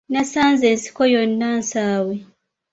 Nasanze ensiko yonna nsaawe.